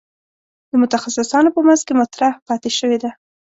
د متخصصانو په منځ کې مطرح پاتې شوې ده.